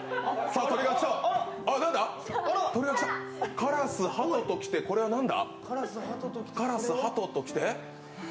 カラス、はとと来て、これは何だ？